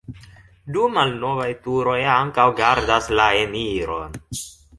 Du malnovaj turoj ankaŭ gardas la eniron.